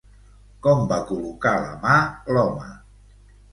Com va col·locar la mà l'home?